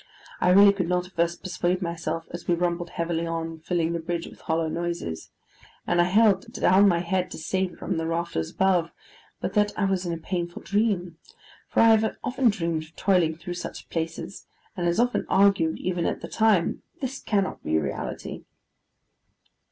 I really could not at first persuade myself as we rumbled heavily on, filling the bridge with hollow noises, and I held down my head to save it from the rafters above, but that I was in a painful dream; for I have often dreamed of toiling through such places, and as often argued, even at the time, 'this cannot be reality.